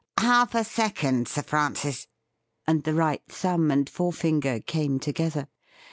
' Half a second, Sir Francis ;' and the right thumb and forefinger came together.